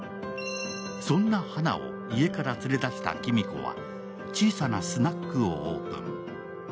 そんな花を家から連れ出した黄美子は小さなスナックをオープン。